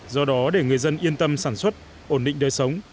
do đó để người dân yên tâm sản xuất ổn định đời sống